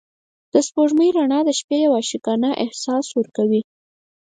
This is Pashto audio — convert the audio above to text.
د سپوږمۍ رڼا د شپې یو عاشقانه احساس ورکوي.